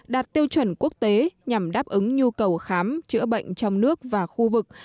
đạt tiêu chuẩn quốc tế nhằm đáp ứng nhu cầu khám chữa bệnh trong nước và khu vực